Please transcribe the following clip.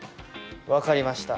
分かりました。